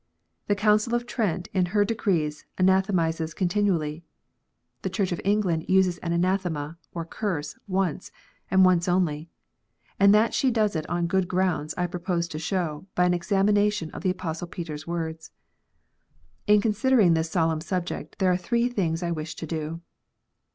The Council of Trent in her decrees anathematizes continually. The Church of England uses an anathema or curse once, and once only ; and that she does it on good grounds I propose to show, by an examination of the Apostle Peter s words. In considering this solemn subject, there are three things I wish to do.